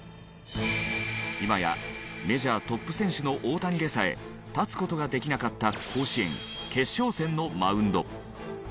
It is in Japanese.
今やメジャートップ選手の大谷でさえ立つ事ができなかった甲子園決勝戦のマウンド。